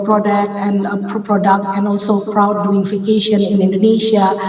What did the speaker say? produk dan juga membuat uang melalui uang pernikahan di kawasan indonesia